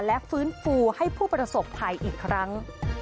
และฟื้นฟูให้ผู้ประสบภัยอีกครั้ง